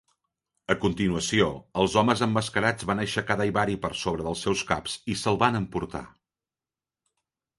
A continuació, els homes emmascarats van aixecar Daivari per sobre dels seus caps i se'l van emportar.